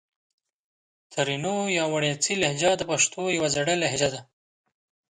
ترینو یا وڼېڅي لهجه د پښتو یو زړه لهجه ده